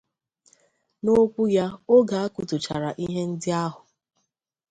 N'okwu ya oge a kụtuchara ihe ndị ahụ